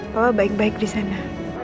papa baik baik disana